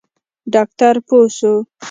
ډاکتر پوه سو.